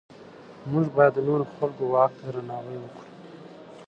موږ باید د نورو خلکو واک ته درناوی وکړو.